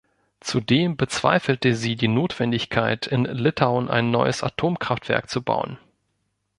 Zudem bezweifelte sie die Notwendigkeit, in Litauen ein neues Atomkraftwerk zu bauen.